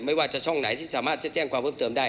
ไม่ว่าจะช่องไหนที่สามารถจะแจ้งความเพิ่มเติมได้